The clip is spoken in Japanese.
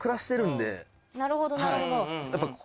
なるほどなるほど。